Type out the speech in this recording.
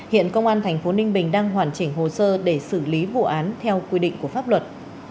hiện công an tp ninh bình đang hoàn chỉnh hồ sơ để xử lý vụ án theo quy định của pháp luật